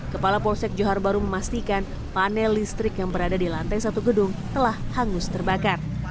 kepala polsek johar baru memastikan panel listrik yang berada di lantai satu gedung telah hangus terbakar